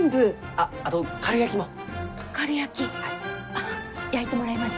あっ焼いてもらいます。